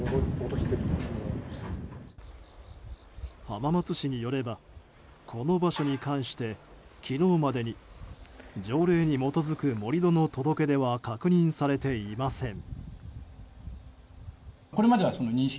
浜松市によればこの場所に関して昨日までに条例に基づく盛り土の届け出は確認されていません。